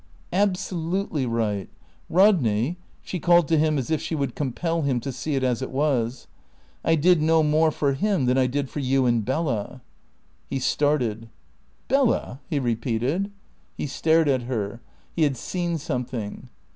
"Absolutely right. Rodney " She called to him as if she would compel him to see it as it was. "I did no more for him than I did for you and Bella." He started. "Bella?" he repeated. He stared at her. He had seen something.